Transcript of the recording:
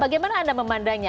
bagaimana anda memandangnya